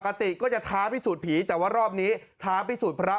ปกติก็จะท้าพิสูจน์ผีแต่ว่ารอบนี้ท้าพิสูจน์พระ